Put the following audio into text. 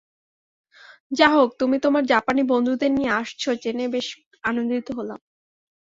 যা হোক, তুমি তোমার জাপানী বন্ধুদের নিয়ে আসছ জেনে বেশ আনন্দিত হলাম।